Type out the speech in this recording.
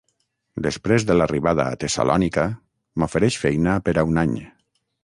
Després de l'arribada a Tessalònica, m'ofereix feina per a un any.